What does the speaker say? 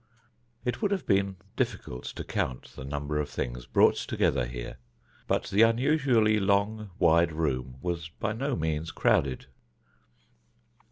It would have been difficult to count the number of things brought together here, but the unusually long, wide room was by no means crowded.